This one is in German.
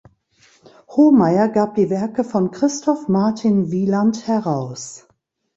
Homeyer gab die Werke von Christoph Martin Wieland heraus.